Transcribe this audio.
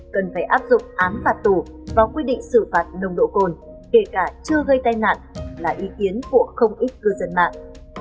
cần phải áp dụng án phạt tù và quy định xử phạt nồng độ cồn kể cả chưa gây tai nạn là ý kiến của không ít cư dân mạng